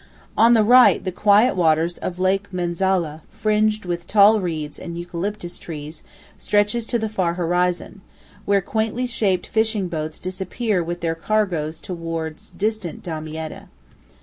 On the right the quiet waters of Lake Menzala, fringed with tall reeds and eucalyptus trees, stretches to the far horizon, where quaintly shaped fishing boats disappear with their cargoes towards distant Damietta.